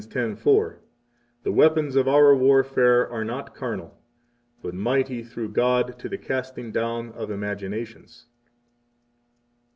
10:4: The weapons of our warfare are not carnal, but mighty through God to the casting down of imaginations.